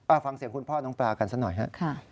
ฟังเสียงคุณพ่อน้องปลากันซะหน่อยฮะ